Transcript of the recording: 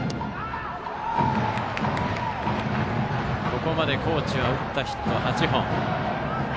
ここまで高知は打ったヒット、８本。